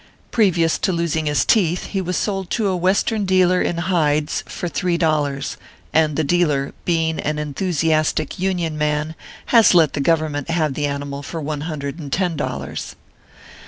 Previous to losing his teeth he .was sold to a Western dealer in hides for three dollars ; and the dealer, being an en thusiastic Union man, has let the Government have the animal for one hundred and ten dollars.